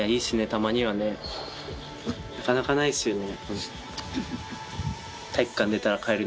たまにはねなかなかないっすよね。